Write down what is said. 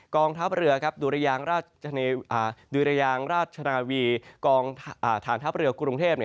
กองทัพเรือดุรยางดุรยางราชนาวีกองฐานทัพเรือกรุงเทพ